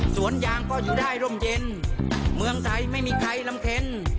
สวนยางก็อยู่ได้ร่มเย็นเมืองไทยไม่มีใครลำเคน